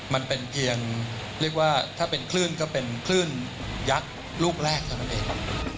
มันเป็นเพียงเรียกว่าถ้าเป็นคลื่นก็เป็นคลื่นยักษ์ลูกแรกเท่านั้นเอง